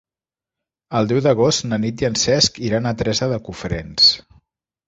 El deu d'agost na Nit i en Cesc iran a Teresa de Cofrents.